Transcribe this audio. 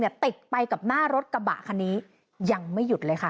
ติดไปกับหน้ารถกระบะคันนี้ยังไม่หยุดเลยค่ะ